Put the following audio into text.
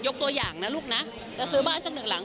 ตัวอย่างนะลูกนะจะซื้อบ้านสักหนึ่งหลัง